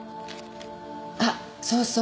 あそうそう。